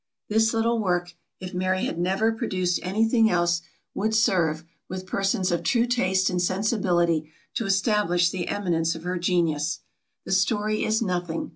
This little work, if Mary had never produced any thing else, would serve, with persons of true taste and sensibility, to establish the eminence of her genius. The story is nothing.